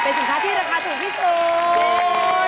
สินค้าที่ราคาถูกที่สุด